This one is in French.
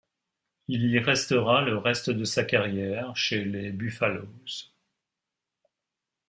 Il y restera le reste de sa carrière chez les Buffaloes.